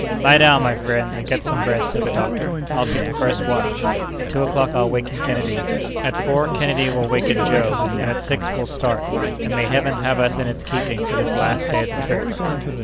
"Lie down, my friends, and get some rest," said the doctor. "I'll take the first watch; at two o'clock I'll waken Kennedy; at four, Kennedy will waken Joe, and at six we'll start; and may Heaven have us in its keeping for this last day of the trip!"